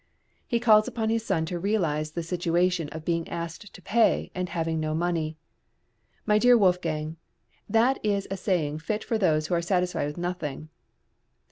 He calls upon his son to realise the situation of being asked to pay, and having no money. "My dear Wolfgang, that is a saying fit for those who are satisfied with nothing."